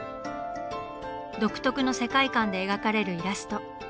独特の世界観で描かれるイラスト。